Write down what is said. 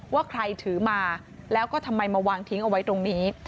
ว่าใครถือมาแล้วก็ทำไมมาวางทิ้งเอาไว้ตรงนี้